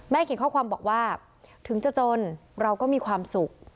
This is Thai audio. เขียนข้อความบอกว่าถึงจะจนเราก็มีความสุข